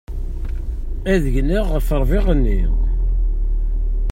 Ad gneɣ ɣef ṛṛbiɣ-nni.